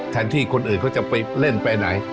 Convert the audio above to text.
ที่คนอื่นเขาจะไปเล่นไปไหน